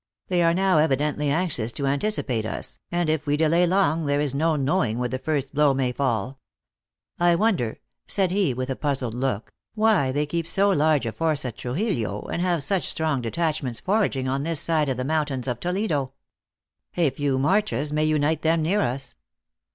They are now evidently anxious to anticipate us, and if we delay long, there is no knowing where the first blow may fall. I wonder," said he, with a puzzled look, " why they keep so large a force at Trujillo, and have 348 THE ACTKESS IN HIGH LIFE. such strong detachments foraging on this side the mountains of Toledo? A few marches may unite them near us."